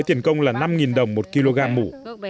tiền công là năm đồng một kg mũ